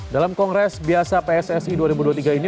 dalam kongres biasa pssi dua ribu dua puluh tiga ini